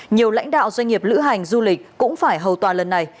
nhiều lãnh đạo doanh nghiệp lữ hành du lịch cũng phải hầu tòa lần này